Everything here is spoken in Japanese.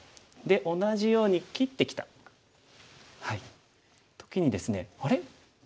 で同じように切ってきた時にですねあれ？